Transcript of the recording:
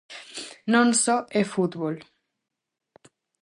Non só é fútbol.